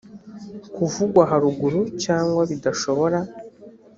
kuvugwa haruguru cyangwa bidashobora